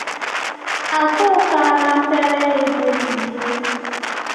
Akoka rentɛrɛ ye joli ye?